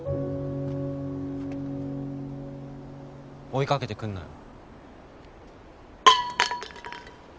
追いかけてくんなよ